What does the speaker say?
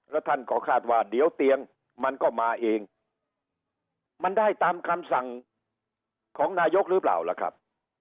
แล้วท่านก็คาดว่าเดี๋ยวเตียงมันก็มาเองมันได้ตามคำสั่งของนายกหรือเปล่าล่ะครับ